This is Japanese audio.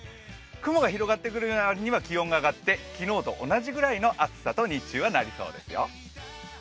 雲が広がってくる割には気温が上がって昨日と同じくらいの暑さと日中はなりそうですよ。